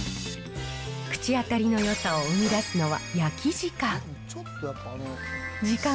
口当たりのよさを生み出すのは焼き時間。